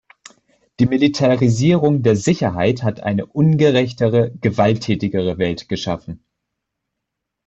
Die Militarisierung der Sicherheit hat eine ungerechtere, gewalttätigere Welt geschaffen.